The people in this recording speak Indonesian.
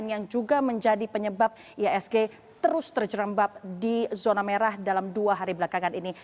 yang juga menjadi penyebab iasg terus terjerembab di zona merah dalam dua hari belakangan ini